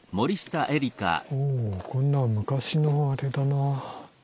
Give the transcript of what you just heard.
もうこんなの昔のあれだな。